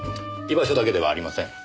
居場所だけではありません。